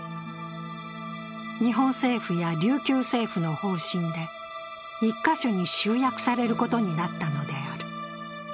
日本政府や琉球政府の方針で１か所に集約されることになったのである。